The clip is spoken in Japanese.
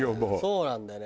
そうなんだよね。